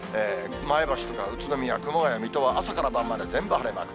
前橋とか宇都宮、熊谷、水戸は朝から晩まで全部晴れマーク。